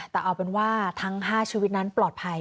แต่เอาเป็นว่าทั้ง๕ชีวิตนั้นปลอดภัย